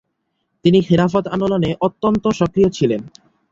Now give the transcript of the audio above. তিনি খিলাফত আন্দোলনে অত্যন্ত সক্রিয় ছিলেন।